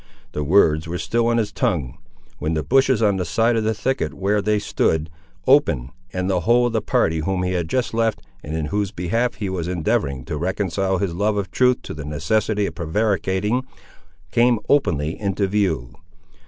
The words were still on his tongue, when the bushes on the side of the thicket where they stood, opened, and the whole of the party whom he had just left, and in whose behalf he was endeavouring to reconcile his love of truth to the necessity of prevaricating, came openly into view.